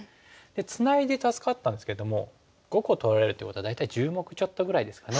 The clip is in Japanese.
ツナいで助かったんですけども５個取られるということは大体１０目ちょっとぐらいですかね。